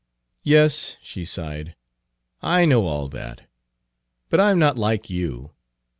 "Yes," she sighed, "I know all that. But I am not like you.